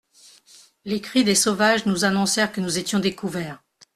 Les cris des sauvages nous annoncèrent que nous étions découverts.